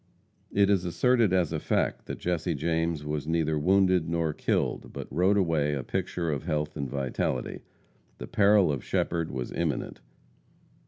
It is asserted as a fact, that Jesse James was neither wounded nor killed, but rode away a picture of health and vitality. The peril of Shepherd was imminent.